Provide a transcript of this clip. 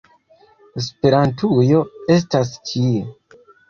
Esperantujo estas ĉie!